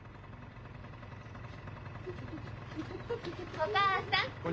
お母さん。